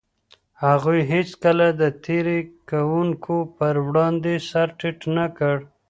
هغوی هيڅکله د تېري کوونکو پر وړاندې سر ټيټ نه کړ.